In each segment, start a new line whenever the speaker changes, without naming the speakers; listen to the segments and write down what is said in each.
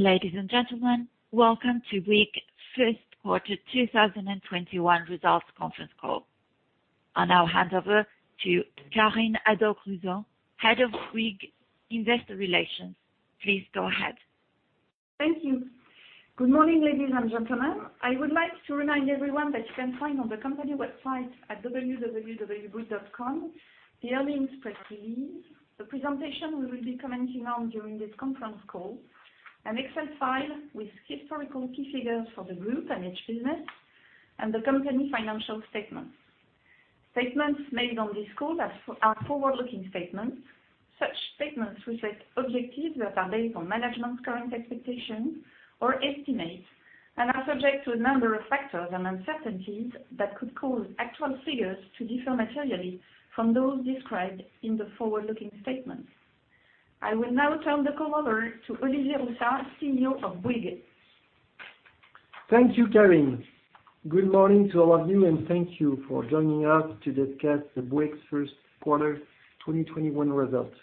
Ladies and gentlemen, welcome to Bouygues' First Quarter 2021 Results Conference Call. I now hand over to Carine Adote-Crosone, Head of Bouygues Investor Relations. Please go ahead.
Thank you. Good morning, ladies and gentlemen. I would like to remind everyone that you can find on the company website at www.bouygues.com the earnings press release, the presentation we will be commenting on during this conference call, an Excel file with historical key figures for the group and each business, and the company financial statements. Statements made on this call are forward-looking statements. Such statements reflect objectives that are based on management's current expectations or estimates and are subject to a number of factors and uncertainties that could cause actual figures to differ materially from those described in the forward-looking statements. I will now turn the call over to Olivier Roussat, CEO of Bouygues.
Thank you, Carine. Good morning to all of you, and thank you for joining us to discuss Bouygues' first quarter 2021 results.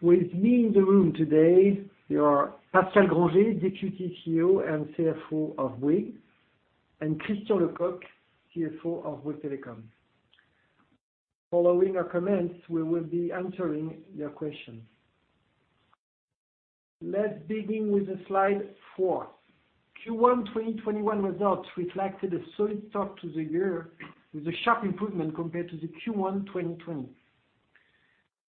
With me in the room today are Pascal Grangé, Deputy CEO and CFO of Bouygues, and Christian Lecoq, CFO of Bouygues Telecom. Following our comments, we will be answering your questions. Let's begin with slide four. Q1 2021 results reflected a solid start to the year with a sharp improvement compared to the Q1 2020.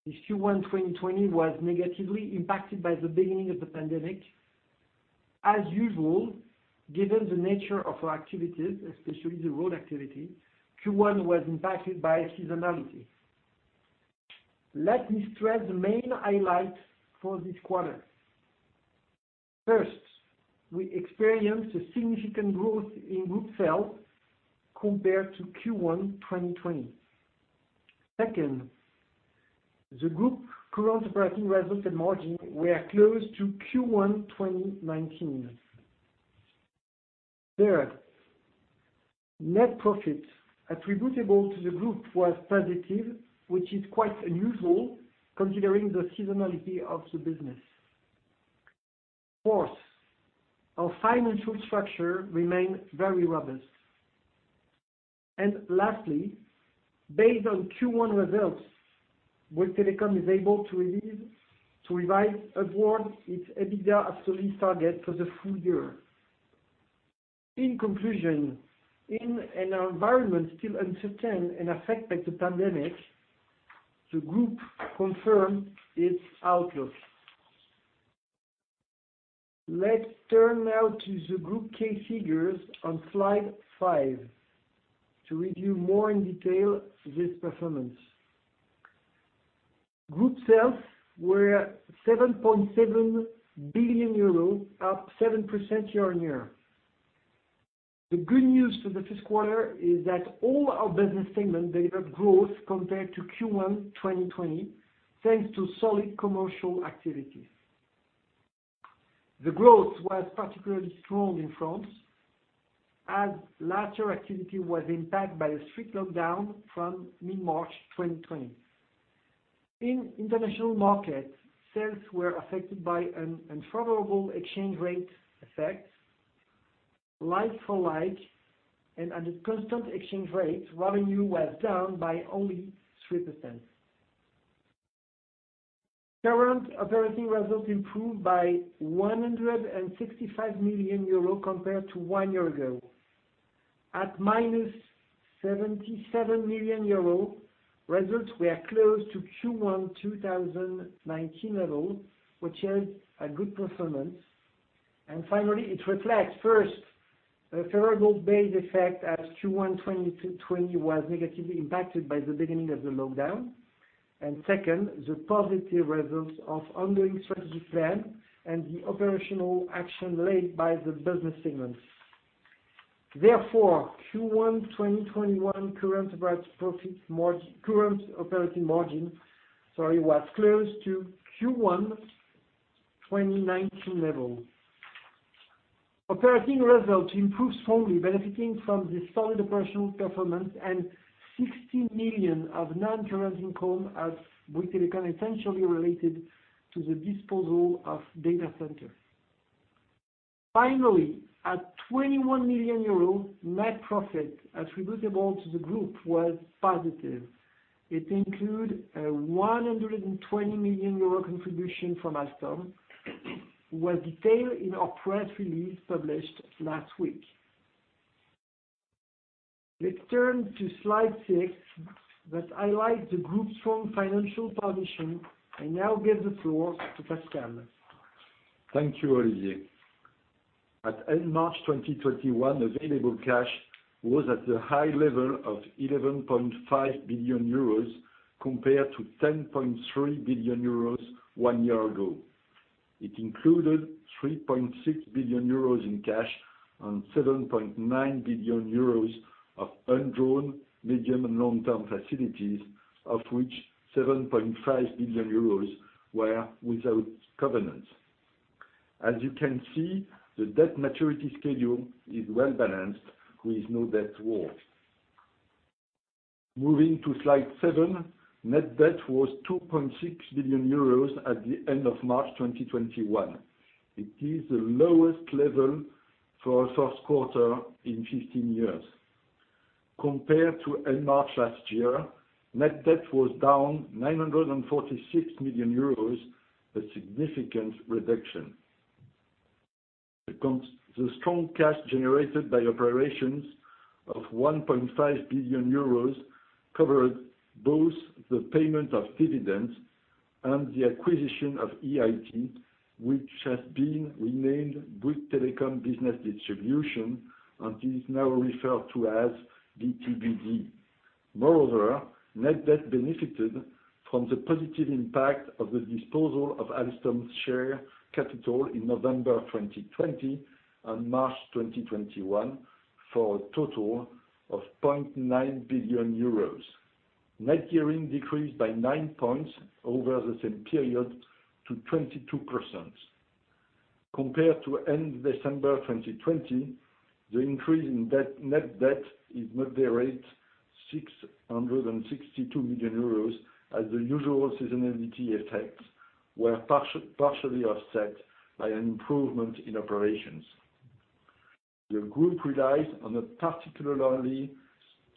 The Q1 2020 was negatively impacted by the beginning of the pandemic. As usual, given the nature of our activities, especially the road activity, Q1 was impacted by seasonality. Let me stress the main highlights for this quarter. First, we experienced a significant growth in group sales compared to Q1 2020. Second, the group current operating results and margin were close to Q1 2019. Net profit attributable to the group was positive, which is quite unusual considering the seasonality of the business. Our financial structure remains very robust. Lastly, based on Q1 results, Bouygues Telecom is able to revise upwards its EBITDA absolute target for the full year. In conclusion, in an environment still uncertain and affected by the pandemic, the group confirmed its outlook. Let's turn now to the group key figures on slide five to review more in detail this performance. Group sales were 7.7 billion euros, up 7% year-on-year. The good news for the first quarter is that all our business segments delivered growth compared to Q1 2020, thanks to solid commercial activities. The growth was particularly strong in France, as last year activity was impacted by a strict lockdown from mid-March 2020. In international markets, sales were affected by an unfavorable exchange rate effect like for like, and at a constant exchange rate, volume was down by only 3%. Current operating results improved by 165 million euro compared to one year ago. At -77 million euro, results were close to Q1 2019 levels, which is a good performance. Finally, it reflects, first, a favorable base effect as Q1 2020 was negatively impacted by the beginning of the lockdown, and second, the positive results of ongoing strategic plans and the operational action led by the business segments. Therefore, Q1 2021 current operating margin, sorry, was close to Q1 2019 levels. Operating results improved strongly, benefiting from the solid operational performance and 60 million of non-recurring income at Bouygues Telecom essentially related to the disposal of data centers. Finally, at 21 million euro, net profit attributable to the group was positive. It includes a 120 million euro contribution from Alstom, which was detailed in our press release published last week. Let's turn to slide six that highlights the group's strong financial position. I now give the floor to Pascal.
Thank you, Olivier. At end March 2021, available cash was at the high level of 11.5 billion euros compared to 10.3 billion euros one year ago. It included 3.6 billion euros in cash and 7.9 billion euros of undrawn medium and long-term facilities, of which 7.5 billion euros were without covenants. As you can see, the debt maturity schedule is well-balanced, with no debt wall. Moving to slide seven, net debt was 2.6 billion euros at the end of March 2021. It is the lowest level for a first quarter in 15 years. Compared to end March last year, net debt was down 946 million euros, a significant reduction. The strong cash generated by operations of 1.5 billion euros covered both the payment of dividends and the acquisition of EIT, which has been renamed Bouygues Telecom Business Distribution and is now referred to as BTBD. Moreover, net debt benefited from the positive impact of the disposal of Alstom's share capital in November 2020 and March 2021, for a total of 0.9 billion euros. Net gearing decreased by nine points over the same period to 22%. Compared to end December 2020, the increase in net debt is moderate, 662 million euros, as the usual seasonality effects were partially offset by an improvement in operations. The group relies on a particularly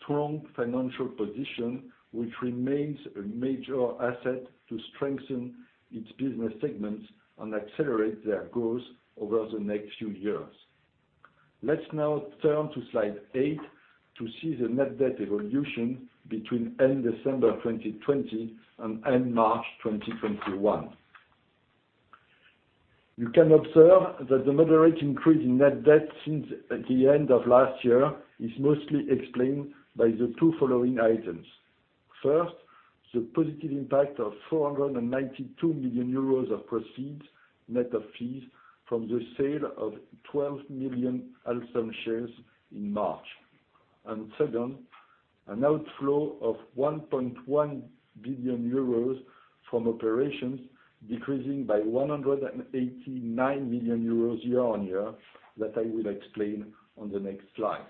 strong financial position, which remains a major asset to strengthen its business segments and accelerate their growth over the next few years. Let's now turn to slide eight to see the net debt evolution between end December 2020 and end March 2021. You can observe that the moderate increase in net debt since the end of last year is mostly explained by the two following items. First, the positive impact of 492 million euros of proceeds, net of fees, from the sale of 12 million Alstom shares in March. Second, an outflow of 1.1 billion euros from operations decreasing by 189 million euros year-on-year. That I will explain on the next slide.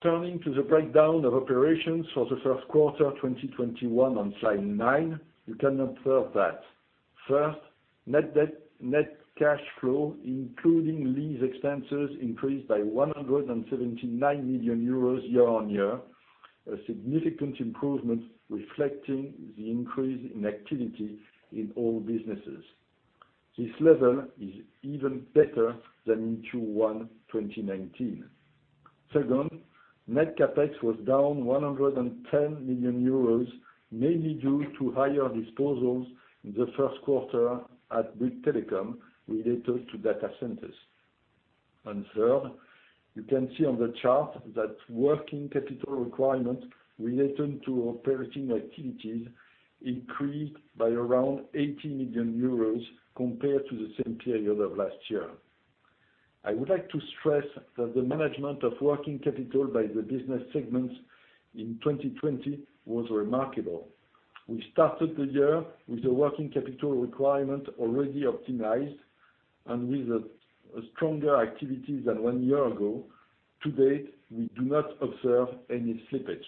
Turning to the breakdown of operations for the first quarter 2021 on slide nine, you can observe that. First, net cash flow, including lease expenses, increased by 179 million euros year-on-year, a significant improvement reflecting the increase in activity in all businesses. This level is even better than in Q1 2019. Second, net CapEx was down 110 million euros, mainly due to higher disposals in the first quarter at Bouygues Telecom related to data centers. Third, you can see on the chart that working capital requirements relating to operating activities increased by around 80 million euros compared to the same period of last year. I would like to stress that the management of working capital by the business segments in 2020 was remarkable. We started the year with the working capital requirement already optimized and with a stronger activity than one year ago. To date, we do not observe any slippage.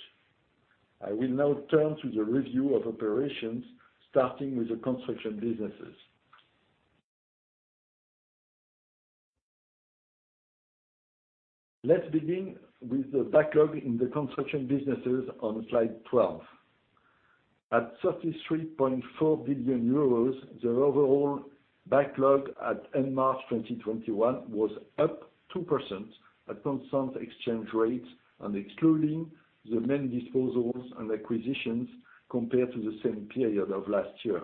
I will now turn to the review of operations, starting with the construction businesses. Let's begin with the backlog in the construction businesses on slide 12. At 33.4 billion euros, the overall backlog at end March 2021 was up 2% at constant exchange rates and excluding the main disposals and acquisitions compared to the same period of last year.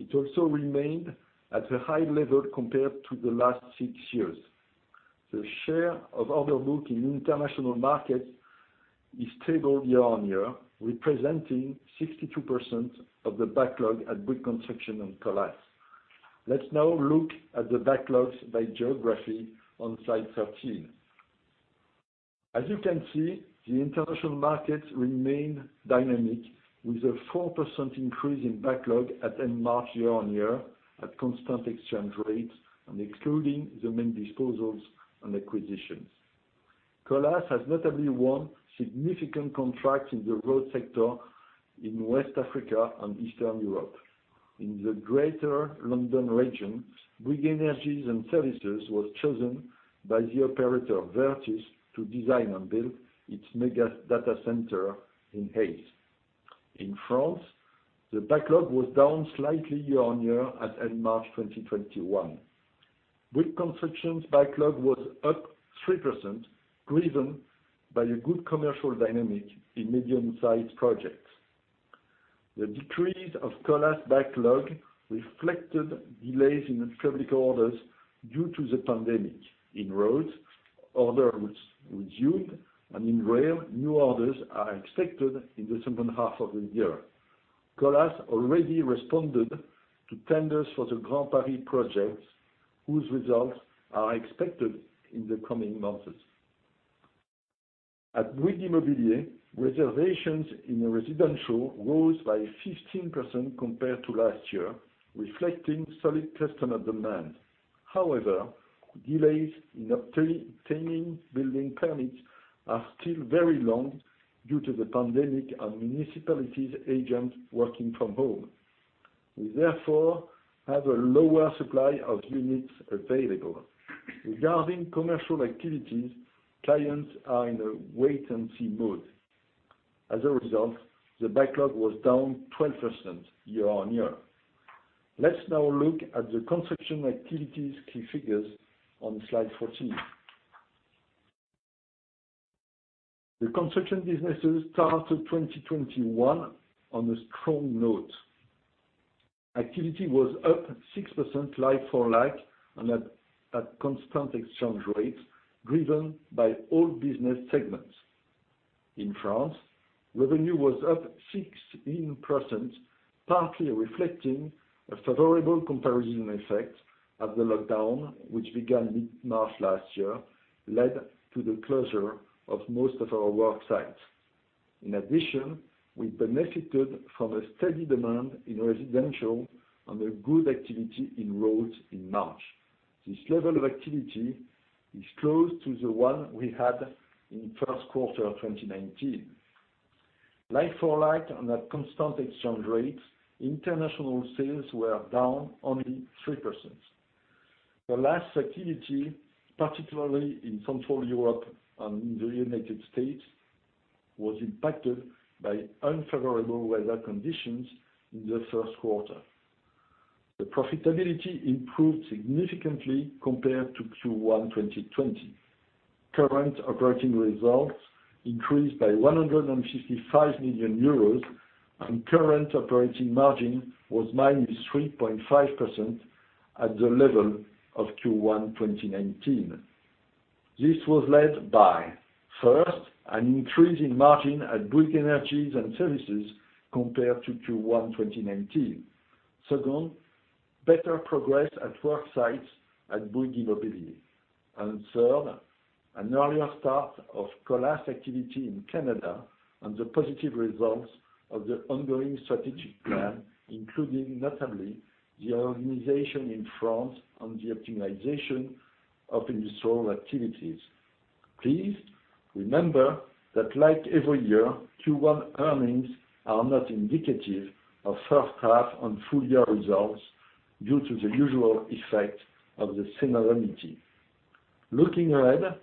It also remained at a high level compared to the last six years. The share of order book in international markets is stable year-on-year, representing 62% of the backlog at Bouygues Construction and Colas. Let's now look at the backlogs by geography on slide 13. As you can see, the international markets remain dynamic with a 4% increase in backlog at end March year-on-year at constant exchange rates and excluding the main disposals and acquisitions. Colas has notably won significant contracts in the road sector in West Africa and Eastern Europe. In the greater London region, Bouygues Energies & Services was chosen by the operator Virtus to design and build its mega data center in Hayes. In France, the backlog was down slightly year-on-year at end March 2021. Bouygues Construction's backlog was up 3%, driven by a good commercial dynamic in medium-sized projects. The decrease of Colas backlog reflected delays in public orders due to the pandemic. In roads, orders resumed, and in rail, new orders are expected in the second half of the year. Colas already responded to tenders for the Grand Paris projects, whose results are expected in the coming months. At Bouygues Immobilier, reservations in residential rose by 15% compared to last year, reflecting solid customer demand. However, delays in obtaining building permits are still very long due to the pandemic and municipalities agents working from home. We therefore have a lower supply of units available. Regarding commercial activities, clients are in a wait-and-see mode. The backlog was down 12% year-on-year. Let's now look at the construction activities key figures on slide 14. The construction businesses started 2021 on a strong note. Activity was up 6% like-for-like and at constant exchange rates, driven by all business segments. In France, revenue was up 16%, partly reflecting a favorable comparison effect as the lockdown, which began mid-March last year, led to the closure of most of our worksites. We benefited from a steady demand in residential and a good activity in roads in March. This level of activity is close to the one we had in first quarter 2019. Like-for-like and at constant exchange rates, international sales were down only 3%. The last activity, particularly in Continental Europe and in the U.S., was impacted by unfavorable weather conditions in the first quarter. The profitability improved significantly compared to Q1 2020. Current operating results increased by 155 million euros, and current operating margin was -3.5% at the level of Q1 2019. This was led by, first, an increase in margin at Bouygues Energies & Services compared to Q1 2019. Second, better progress at worksites at Bouygues Immobilier. Third, an earlier start of Colas activity in Canada and the positive results of the ongoing strategic plan, including notably the organization in France and the optimization of industrial activities. Please remember that like every year, Q1 earnings are not indicative of first half and full year results due to the usual effect of the seasonality. Looking ahead,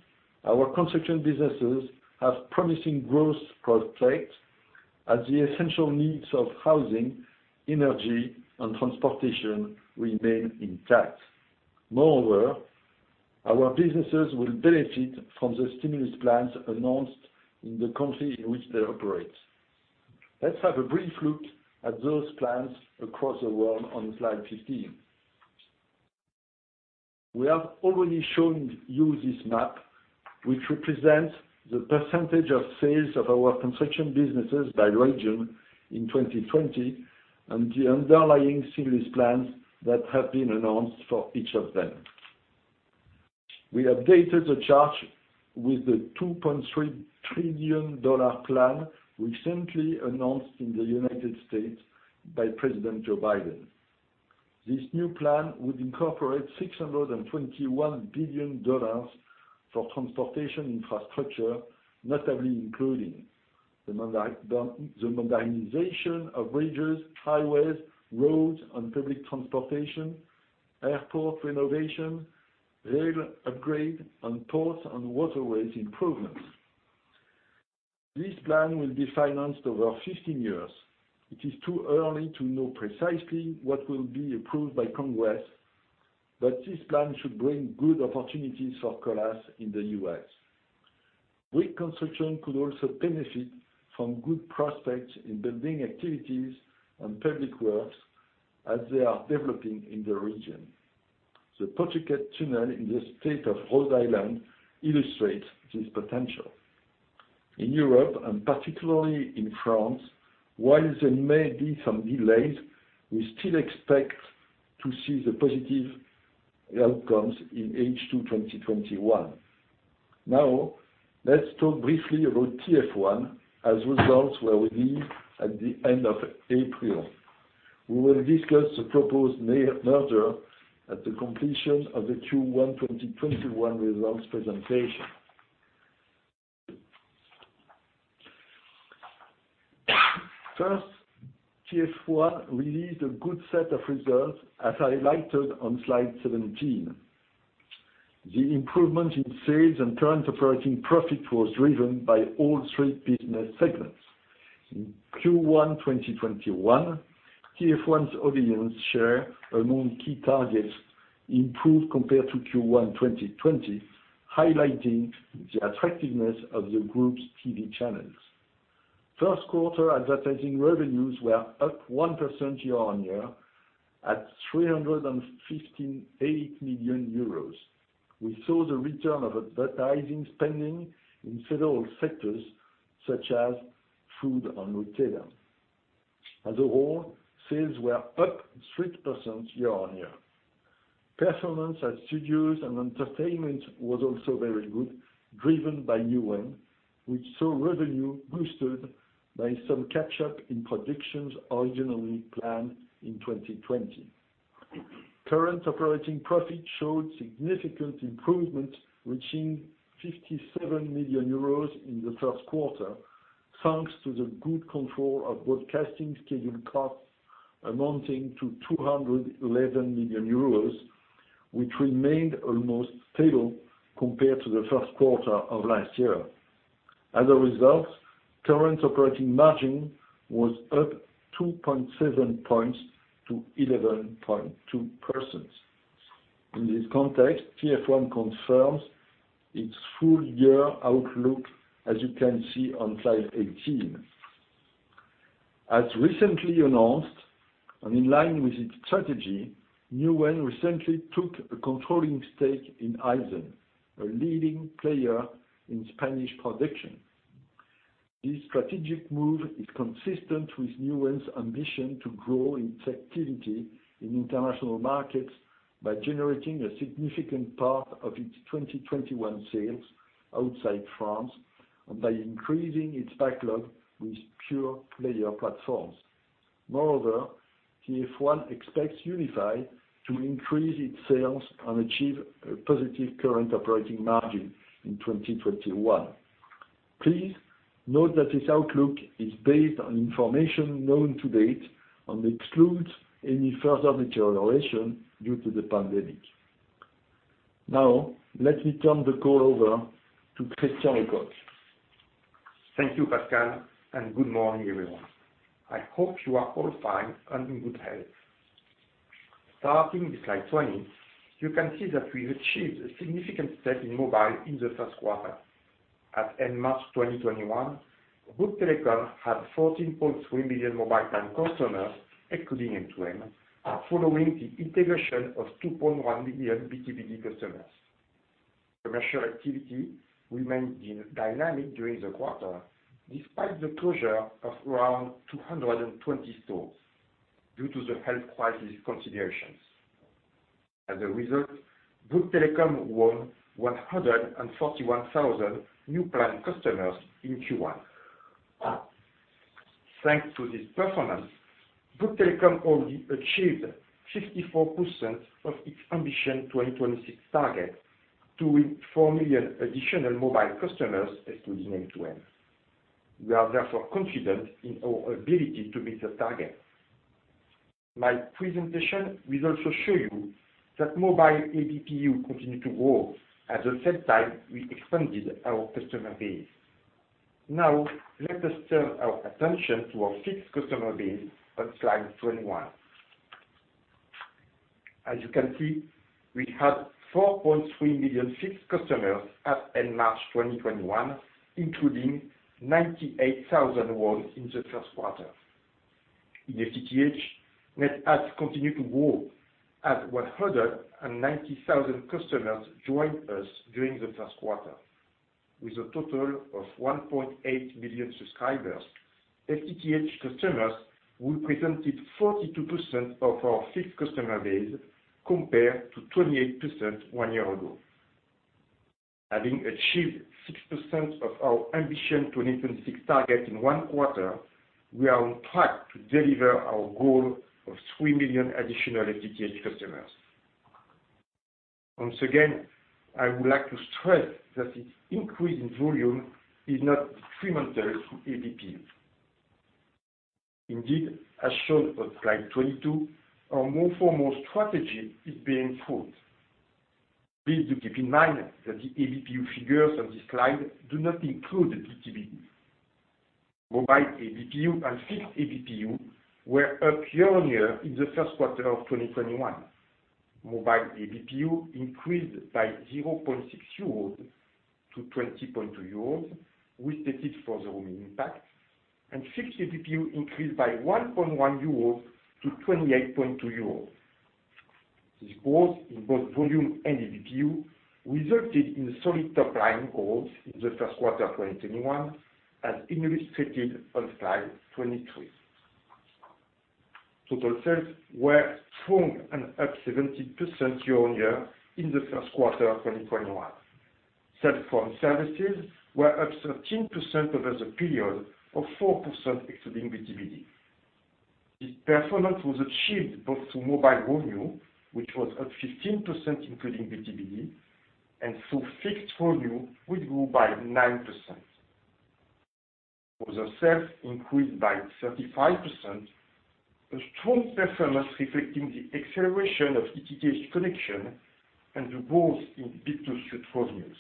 our construction businesses have promising growth prospects as the essential needs of housing, energy, and transportation remain intact. Moreover, our businesses will benefit from the stimulus plans announced in the countries in which they operate. Let's have a brief look at those plans across the world on slide 15. We have already shown you this map, which represents the percentage of sales of our construction businesses by region in 2020 and the underlying stimulus plans that have been announced for each of them. We updated the chart with the $2.3 trillion plan recently announced in the United States by President Joe Biden. This new plan would incorporate $621 billion for transportation infrastructure, notably including the modernization of bridges, highways, roads, and public transportation, airport renovation, rail upgrade, and ports and waterways improvements. This plan will be financed over 15 years. It is too early to know precisely what will be approved by Congress, but this plan should bring good opportunities for Colas in the U.S. Bouygues Construction could also benefit from good prospects in building activities and public works as they are developing in the region. The Pawtucket Tunnel in the state of Rhode Island illustrates this potential. In Europe, and particularly in France, while there may be some delays, we still expect to see the positive outcomes in H2 2021. Now, let's talk briefly about TF1 as results were released at the end of April. We will discuss the proposed merger at the completion of the Q1 2021 results presentation. First, TF1 released a good set of results as highlighted on slide 17. The improvement in sales and current operating profit was driven by all three business segments. In Q1 2021, TF1's audience share among key targets improved compared to Q1 2020, highlighting the attractiveness of the group's TV channels. First quarter advertising revenues were up 1% year-on-year at 358 million euros. We saw the return of advertising spending in several sectors, such as food and retail. As a whole, sales were up 3% year-on-year. Performance at studios and entertainment was also very good, driven by Newen, which saw revenue boosted by some catch-up in productions originally planned in 2020. Current operating profit showed significant improvement, reaching 57 million euros in the first quarter, thanks to the good control of broadcasting schedule costs amounting to 211 million euros, which remained almost stable compared to the first quarter of last year. As a result, current operating margin was up 2.7 points to 11.2%. In this context, TF1 confirms its full-year outlook, as you can see on slide 18. As recently announced and in line with its strategy, Newen recently took a controlling stake in iZen, a leading player in Spanish production. This strategic move is consistent with Newen's ambition to grow its activity in international markets by generating a significant part of its 2021 sales outside France, and by increasing its backlog with pure player platforms. TF1 expects United to increase its sales and achieve a positive current operating margin in 2021. Please note that this outlook is based on information known to date and excludes any further deterioration due to the pandemic. Let me turn the call over to Christian Lecoq.
Thank you, Pascal. Good morning, everyone. I hope you are all fine and in good health. Starting with slide 20, you can see that we've achieved a significant state in mobile in the first quarter. At end March 2021, Bouygues Telecom had 14.3 million mobile plan customers, including M2M, following the integration of 2.1 million B2B customers. Commercial activity remained dynamic during the quarter, despite the closure of around 220 stores due to the health crisis considerations. As a result, Bouygues Telecom won 141,000 new plan customers in Q1. Thanks to this performance, Bouygues Telecom only achieved 54% of its Ambition 2026 target to win four million additional mobile customers, excluding M2M. We are therefore confident in our ability to meet the target. My presentation will also show you that mobile ARPU continued to grow. At the same time, we expanded our customer base. Now, let us turn our attention to our fixed customer base on slide 21. As you can see, we had 4.3 million fixed customers at end March 2021, including 98,000 won in the first quarter. In FTTH, net adds continued to grow as 190,000 customers joined us during the first quarter. With a total of 1.8 million subscribers, FTTH customers represented 42% of our fixed customer base, compared to 28% one year ago. Having achieved 6% of our Ambition 2026 target in one quarter, we are on track to deliver our goal of 3 million additional FTTH customers. Once again, I would like to stress that this increase in volume is not detrimental to ARPU. Indeed, as shown on slide 22, our more-for-more strategy is bearing fruit. Please do keep in mind that the ARPU figures on this slide do not include the B2B. Mobile ARPU and fixed ARPU were up year-over-year in the first quarter of 2021. Mobile ARPU increased by EUR 0.6-EUR 20.2 with the fixed for the roaming impact, and fixed ARPU increased by 1.1-28.2 euros. This growth in both volume and ARPU resulted in solid top-line growth in the first quarter 2021, as illustrated on slide 23. Total sales were strong and up 17% year-over-year in the first quarter 2021. Cellphone services were up 13% over the period, or 4% excluding B2B. This performance was achieved both through mobile volume, which was up 15% including B2B, and through fixed volume, which grew by 9%. Other sales increased by 35%, a strong performance reflecting the acceleration of FTTH connection and the growth in digital revenues.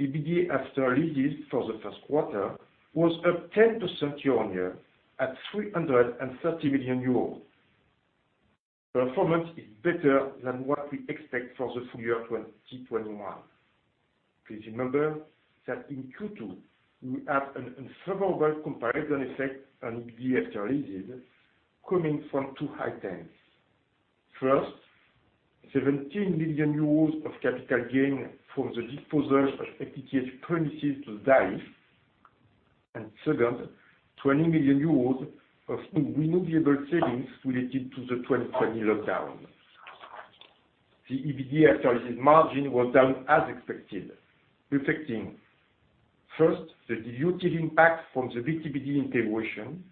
EBITDA after leases for the first quarter was up 10% year-over-year at 330 million euros. Performance is better than what we expect for the full year 2021. Please remember that in Q2, we have an unfavorable comparison effect on EBITDA after leases coming from two items. First, 17 million euros of capital gain from the disposal of FTTH premises to SDAIF and second, 20 million euros of renewable savings related to the 2020 lockdown. The EBITDA margin was down as expected, reflecting first the dilutive impact from the BTBD integration.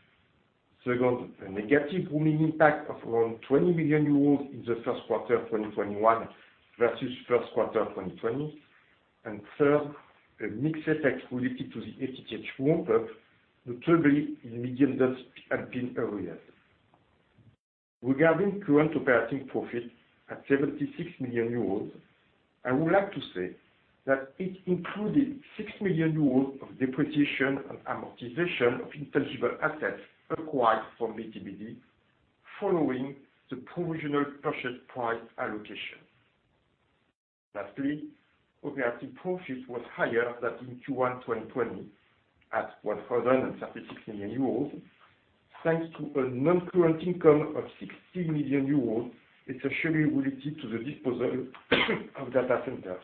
Second, a negative volume impact of around 20 million euros in the first quarter 2021 versus first quarter 2020. Third, a mix effect related to the EBITDA ramp-up, notably in dividends that have been earlier. Regarding current operating profit at 76 million euros, I would like to say that it included 6 million euros of depreciation and amortization of intangible assets acquired from BTBD, following the provisional purchase price allocation. Lastly, operating profit was higher than in Q1 2020 at 136 million euros, thanks to a non-current income of 60 million euros, essentially related to the disposal of data centers.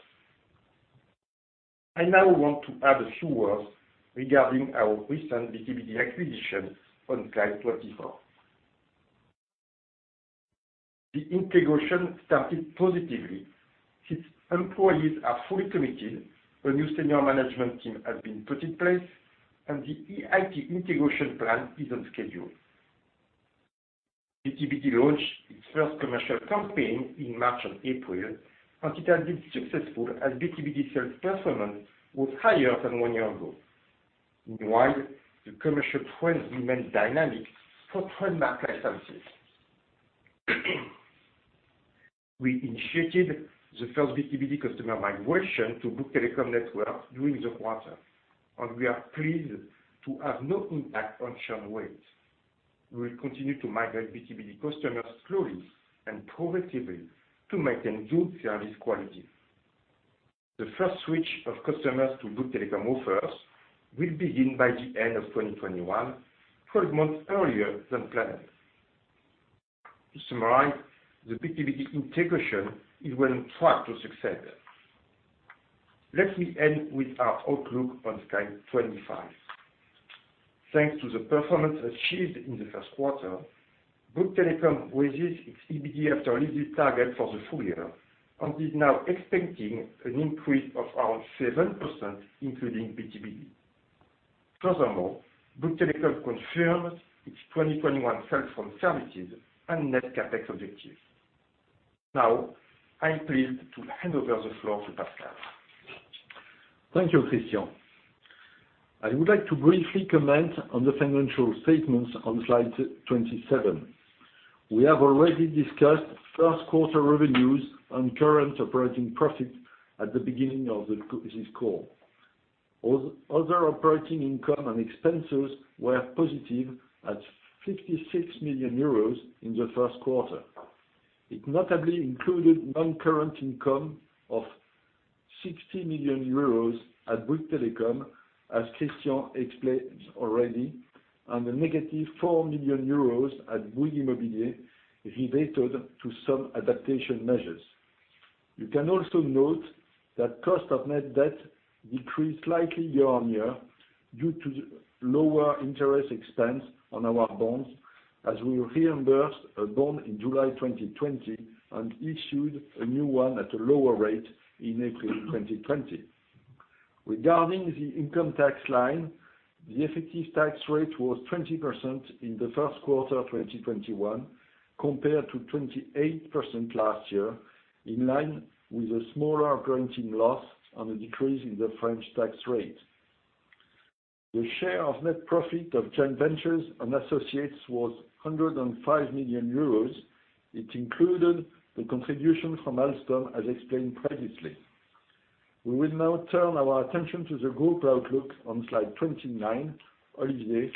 I now want to add a few words regarding our recent BTBD acquisition on slide 24. The integration started positively. Its employees are fully committed. A new senior management team has been put in place and the IT integration plan is on schedule. BTBD launched its first commercial campaign in March and April, and it has been successful as BTBD sales performance was higher than one year ago. Meanwhile, the commercial trends remain dynamic for Bouygues Telecom. We initiated the first BTBD customer migration to Bouygues Telecom network during the quarter, and we are pleased to have no impact on churn rates. We will continue to migrate BTBD customers slowly and progressively to maintain good service quality. The first switch of customers to Bouygues Telecom offers will begin by the end of 2021, 12 months earlier than planned. To summarize, the BTBD integration is well on track to success. Let me end with our outlook on slide 25. Thanks to the performance achieved in the first quarter, Bouygues Telecom raises its EBITDA target for the full year and is now expecting an increase of around 7%, including BTBD. Bouygues Telecom confirms its 2021 sales from services and net CapEx objectives. I'm pleased to hand over the floor to Pascal.
Thank you, Christian. I would like to briefly comment on the financial statements on slide 27. We have already discussed first quarter revenues and current operating profit at the beginning of this call. Other operating income and expenses were positive at 56 million euros in the first quarter. It notably included non-current income of 60 million euros at Bouygues Telecom, as Christian explained already, and a negative 4 million euros at Bouygues Immobilier related to some adaptation measures. You can also note that cost of net debt decreased slightly year-over-year due to lower interest expense on our bonds, as we reimbursed a bond in July 2020 and issued a new one at a lower rate in April 2020. Regarding the income tax line, the effective tax rate was 20% in the first quarter of 2021, compared to 28% last year, in line with a smaller accounting loss and a decrease in the French tax rate. The share of net profit of joint ventures and associates was 105 million euros. It included the contribution from Alstom, as explained previously. We will now turn our attention to the group outlook on slide 29. Olivier,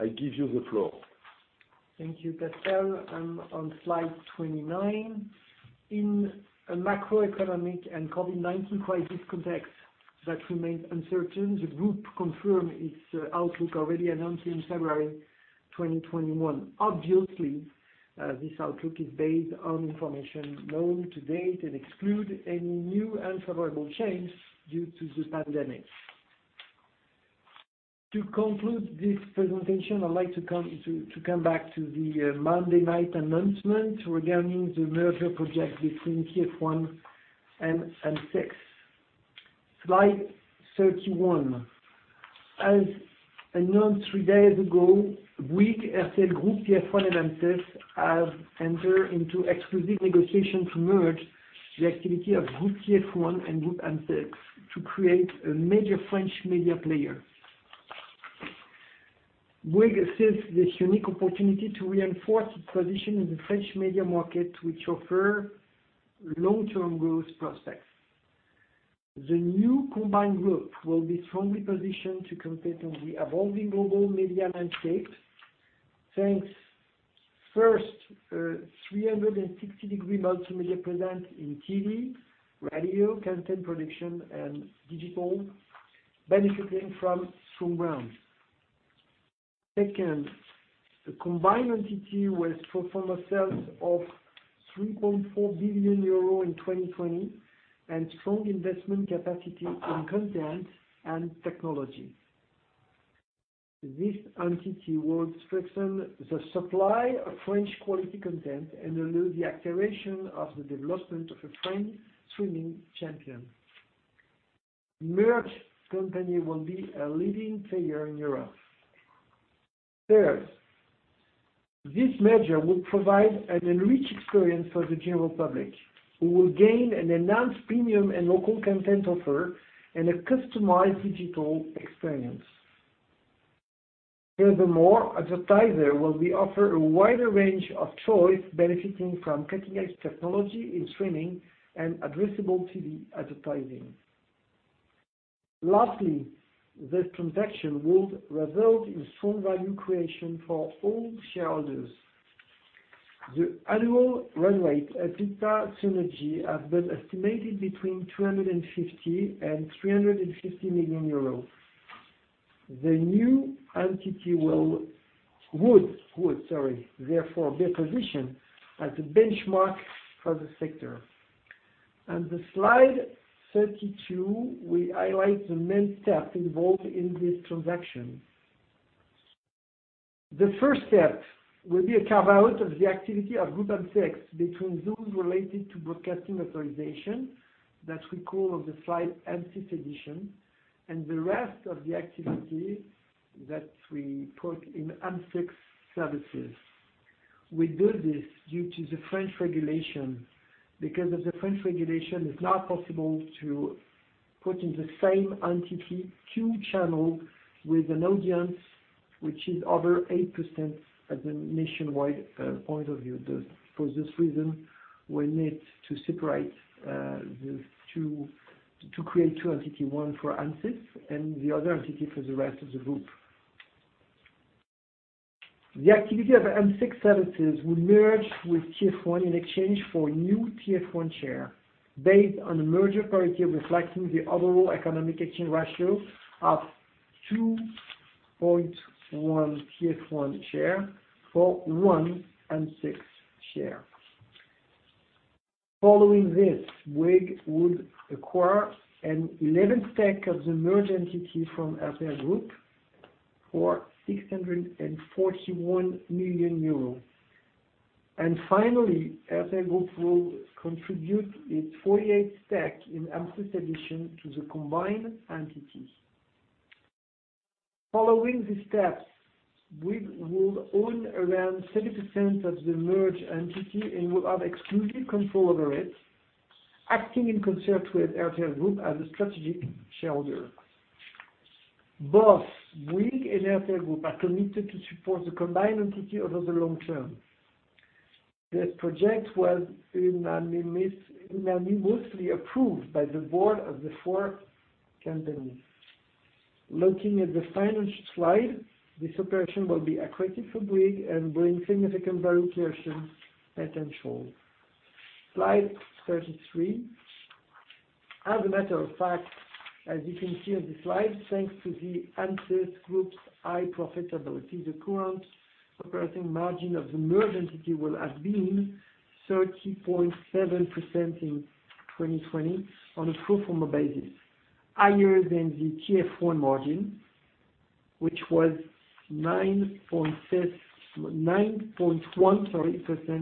I give you the floor.
Thank you, Pascal. I'm on slide 29. In a macroeconomic and COVID-19 crisis context that remains uncertain, the group confirms its outlook already announced in February 2021. Obviously, this outlook is based on information known to date and excludes any new unfavorable changes due to the pandemic. To conclude this presentation, I'd like to come back to the Monday night announcement regarding the merger project between TF1 and M6. Slide 31. As announced three days ago, Bouygues, RTL Group, TF1, and M6 have entered into exclusive negotiations to merge the activity of TF1 Group and Groupe M6 to create a major French media player. Bouygues seizes this unique opportunity to reinforce its position in the French media market, which offer long-term growth prospects. The new combined group will be strongly positioned to compete on the evolving global media landscape. Thanks, first, 360 degree multimedia presence in TV, radio, content production, and digital benefiting from strong brands. Second, the combined entity will have pro forma sales of 3.4 billion euro in 2020 and strong investment capacity in content and technology. This entity will strengthen the supply of French quality content and allow the acceleration of the development of a French streaming champion. The merged company will be a leading player in Europe. Third, this merger will provide an enriched experience for the general public, who will gain an enhanced premium and local content offer and a customized digital experience. Furthermore, advertisers will be offered a wider range of choice, benefiting from cutting-edge technology in streaming and addressable TV advertising. Lastly, this transaction will result in strong value creation for all shareholders. The annual run rate EBITDA synergy has been estimated between 350 million euros and EUR 360 million. The new entity would, therefore, be positioned as a benchmark for the sector. On the slide 32, we highlight the main steps involved in this transaction. The first step will be a carve-out of the activity of Groupe M6 between those related to broadcasting authorization that we call on the slide M6 Éditions and the rest of the activities that we put in M6 Group. We do this due to the French regulation, because of the French regulation it's not possible to put in the same entity two channels with an audience which is over 8% at the nationwide point of view. For this reason, we need to create two entities, one for M6 and the other entity for the rest of the group. The activity of M6 Group will merge with TF1 in exchange for new TF1 share based on a merger parity reflecting the overall economic exchange ratio of 2.1 TF1 share for one M6 share. Following this, Bouygues would acquire an 11% stake of the merged entity from RTL Group for EUR 641 million. Finally, RTL Group will contribute a 48% stake in M6 Éditions to the combined entity. Following these steps, Bouygues will own around 70% of the merged entity and will have exclusive control over it, acting in concert with RTL Group as a strategic shareholder. Both Bouygues and RTL Group are committed to support the combined entity over the long term. The project was unanimously approved by the board of the four companies. Looking at the final slide, this operation will be accretive for Bouygues and bring significant value creation potential. Slide 33. As a matter of fact, as you can see on this slide, thanks to the M6 Group's high profitability, the current operating margin of the merged entity will have been 30.7% in 2020 on a pro forma basis, higher than the TF1 margin, which was 9.1%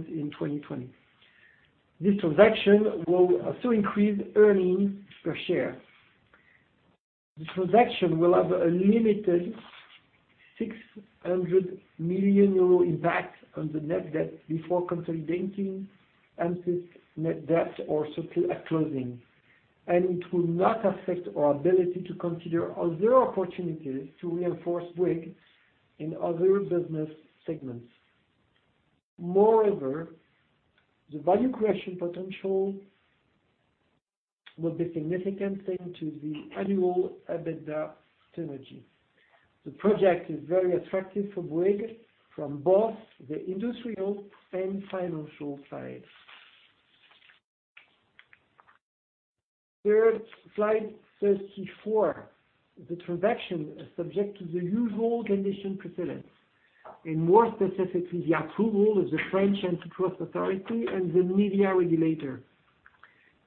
in 2020. This transaction will also increase earnings per share. This transaction will have a limited 600 million euro impact on the net debt before consolidating M6 net debt or sale at closing, it will not affect our ability to consider other opportunities to reinforce Bouygues in other business segments. The value creation potential will be significant thanks to the annual EBITDA synergy. The project is very attractive for Bouygues from both the industrial and financial sides. Third, slide 34. The transaction is subject to the usual condition precedents, and more specifically, the approval of the French antitrust authority and the media regulator.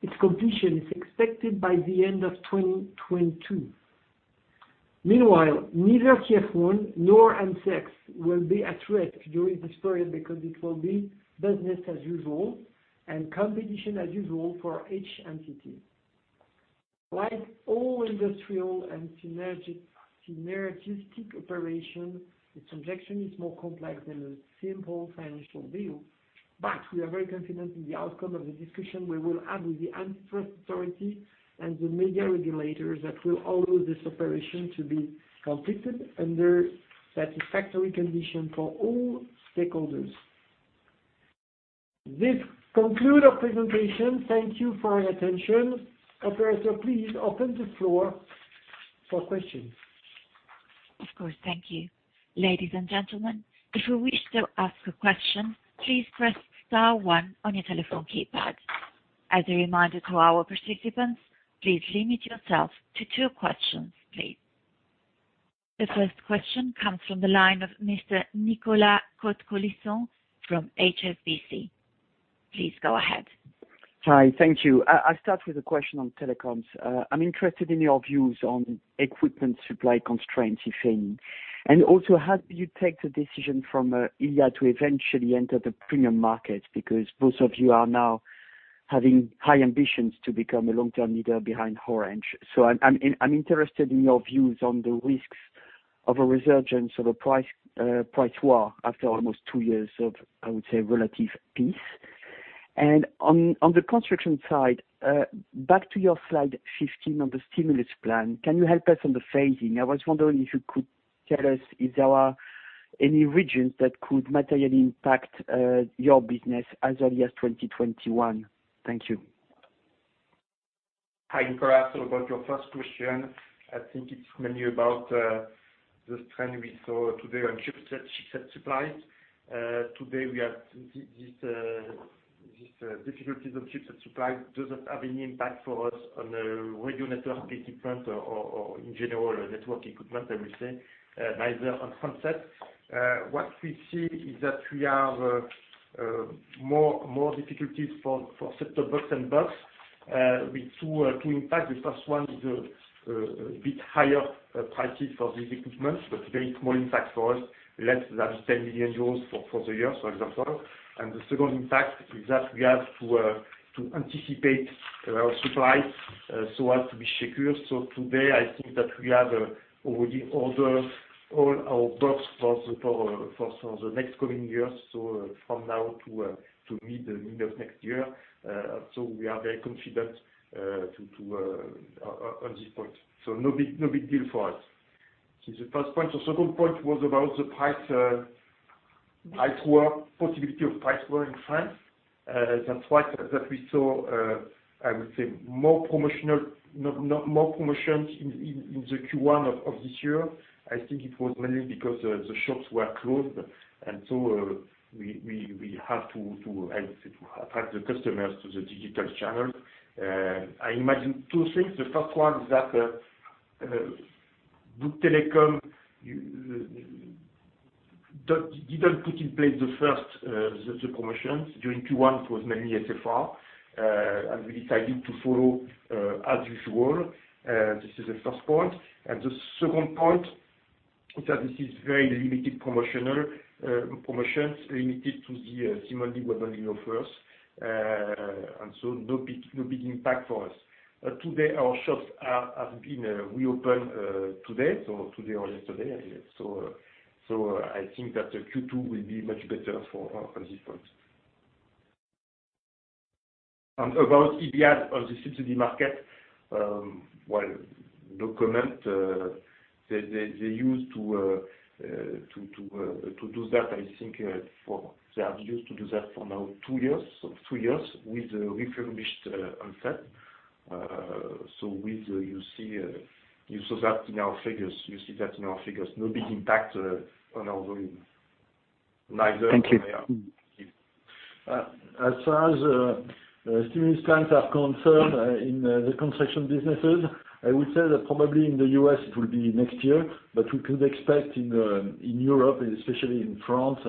Its completion is expected by the end of 2022. Meanwhile, neither TF1 nor M6 will be at risk during this period because it will be business as usual and competition as usual for each entity. Like all industrial and synergistic operations, this transaction is more complex than a simple financial deal. We are very confident in the outcome of the discussion we will have with the antitrust authority and the media regulators that will allow this operation to be completed under satisfactory conditions for all stakeholders. This concludes our presentation. Thank you for your attention. Operator, please open the floor for questions.
Of course. Thank you. Ladies and gentlemen, if you wish to ask a question, please press star one on your telephone keypad. As a reminder for our participants, please limit yourself to two questions, please. The first question comes from the line of Mr. Nicolas Cote-Colisson from HSBC. Please go ahead.
Hi. Thank you. I start with a question on telecoms. I'm interested in your views on equipment supply constraints, if any, and also how you take the decision from Iliad to eventually enter the premium market, because both of you are now having high ambitions to become a long-term leader behind Orange. I'm interested in your views on the risks of a resurgence of a price war after almost two years of, I would say, relative peace. On the construction side, back to your slide 15 on the stimulus plan. Can you help us on the phasing? I was wondering if you could tell us if there are any regions that could materially impact your business as of year 2021. Thank you.
I can answer about your first question. I think it's mainly about the trend we saw today on chipset supplies. Today, this difficulties on chipset supply doesn't have any impact for us on a regulatory equipment or in general network equipment, I will say, like the concept. What we see is that we have more difficulties for set-top boxes and set-top boxes with two impact. The first one is a bit higher pricing for these equipments, but very small impact for us, less than 10 million euros for the year, for example. The second impact is that we have to anticipate our supply so as to be secure. Today I think that we have already ordered all our set-top boxes for the next coming year, so from now to mid next year. We are very confident on this point. No big deal for us. The first point. The second point was about the price war, possibility of price war in France. That's why that we saw, I would say, more promotions in the Q1 of this year. I think it was mainly because the shops were closed, we have to attract the customers to the digital channel. I imagine two things. The first one is that Bouygues Telecom didn't put in place the first set of promotions during Q1. It was mainly SFR, we decided to follow as usual. This is the first point. The second point is that this is very limited promotions limited to the similarly bundled offers. No big impact for us. Today our shops have been reopened today, so today or yesterday. I think that the Q2 will be much better for this point. About Iliad on the subsidy market. Well, no comment. They are used to do that for now two years or three years with refurbished handset. You saw that in our figures. No big impact on our volume neither.
Thank you.
As far as stimulus plans are concerned in the construction businesses, I would say that probably in the U.S. it will be next year, but we could expect in Europe and especially in France,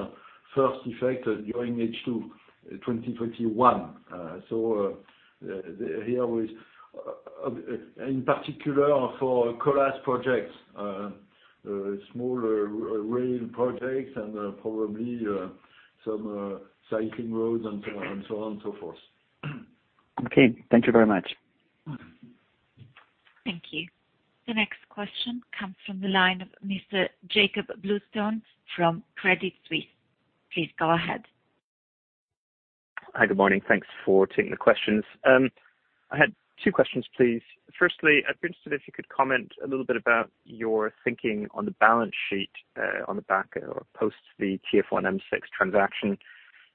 first effect during H2 2021. In particular for Colas projects, small rail projects and probably some cycling roads and so on and so forth.
Okay. Thank you very much.
Thank you. The next question comes from the line of Mr. Jakob Bluestone from Credit Suisse. Please go ahead.
Hi. Good morning. Thanks for taking the questions. I had two questions, please. Firstly, I'd be interested if you could comment a little bit about your thinking on the balance sheet on the back post the TF1-M6 transaction.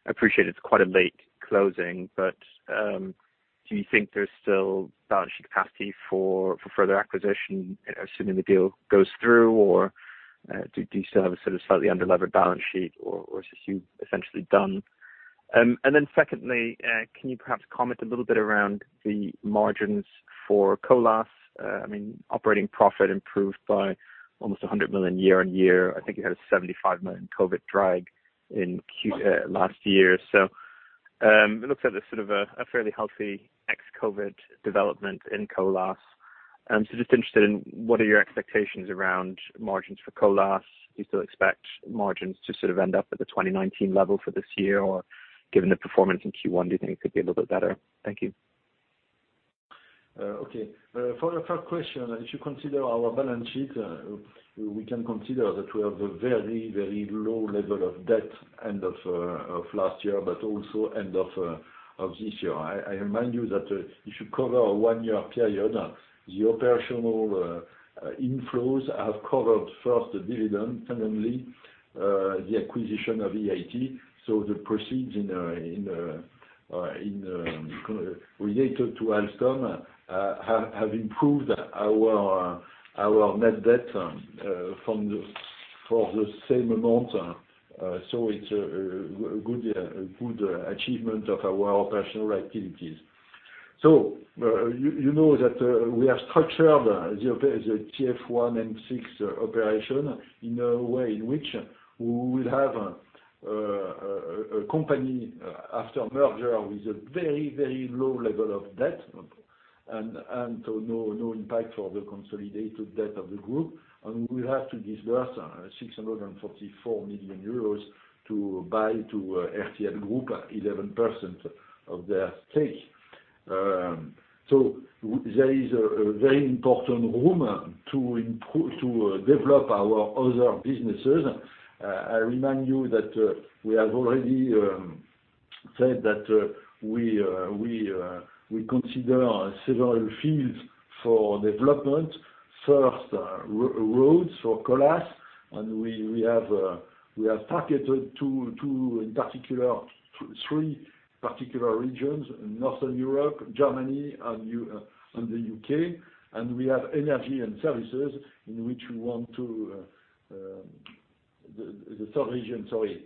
I appreciate it's quite a late closing, but do you think there's still balance sheet capacity for further acquisition, assuming the deal goes through, or do you still have a sort of slightly unlevered balance sheet or is this essentially done? Secondly, can you perhaps comment a little bit around the margins for Colas? Operating profit improved by almost 100 million year-on-year. I think it was 75 million COVID drag last year. It looks like there's sort of a fairly healthy ex-COVID development in Colas. Just interested in what are your expectations around margins for Colas? Do you still expect margins to sort of end up at the 2019 level for this year, or given the performance in Q1, do you think it could be a little bit better? Thank you.
Okay. For the first question, if you consider our balance sheet, we can consider that we have a very, very low level of debt end of last year, but also end of this year. I remind you that if you cover a one-year period, the operational inflows have covered first the dividend, and then the acquisition of EIT. The proceeds related to Alstom have improved our net debt. For the same amount. It's a good achievement of our operational activities. You know that we have structured the TF1 and M6 operation in a way in which we will have a company after merger with a very, very low level of debt, and no impact for the consolidated debt of the group. We have to disburse 644 million euros to buy to RTL Group 11% of their stake. There is a very important room to develop our other businesses. I remind you that we have already said that we consider several fields for development. First, roads for Colas, and we have targeted three particular regions: Northern Europe, Germany, and the U.K. We have energy and services. The third region, sorry,